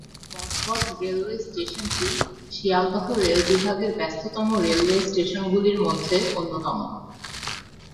Budge Budge railway স্টেশনটি Sealdah rail বিভাগের ব্যস্ততম রেলওয়ে স্টেশনগুলির মধ্যে অন্যতম।